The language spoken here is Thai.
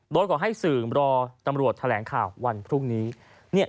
โดยขอให้สื่อรอตำรวจแถลงข่าววันพรุ่งนี้